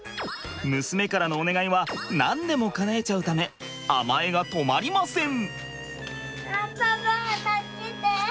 娘からのお願いはなんでもかなえちゃうため甘えが止まりません！